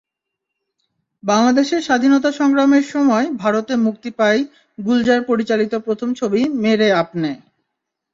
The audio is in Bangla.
বাংলাদেশের স্বাধীনতাসংগ্রামের সময় ভারতে মুক্তি পায় গুলজার পরিচালিত প্রথম ছবি মেরে আপনে।